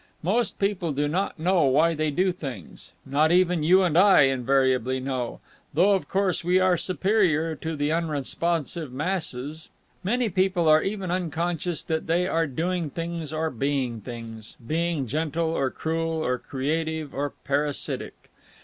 Most people do not know why they do things not even you and I invariably know, though of course we are superior to the unresponsive masses. Many people are even unconscious that they are doing things or being things being gentle or cruel or creative or parasitic.